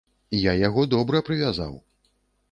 Я яго добра прывязаў.